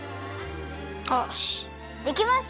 よしできました！